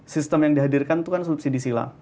sistem yang dihadirkan itu kan subsidi silang